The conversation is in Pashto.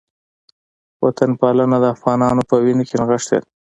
وطنپالنه د افغانانو په وینه کې نغښتې ده